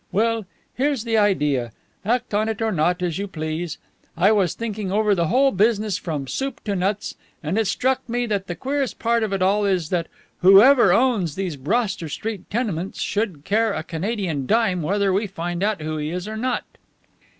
Well, here's the idea. Act on it or not, as you please. I was thinking over the whole business from soup to nuts, and it struck me that the queerest part of it all is that whoever owns these Broster Street tenements should care a Canadian dime whether we find out who he is or not."